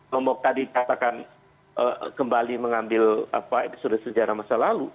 kalau tadi katakan kembali mengambil apa itu sudah sejarah masa lalu